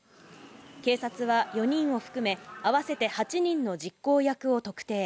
警察は４人を含め、合わせて８人の実行役を特定。